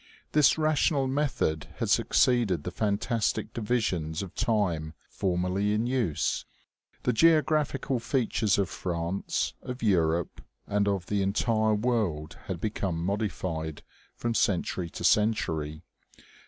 This rational method had succeeded the fantastic divisions of time formerly in use. The geographical features of France, of Europe and of the entire world had become modified, from century to century.